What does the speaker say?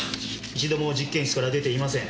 一度も実験室から出ていません。